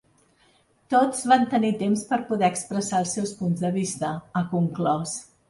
Tots van tenir temps per poder expressar els seus punts de vista, ha conclòs.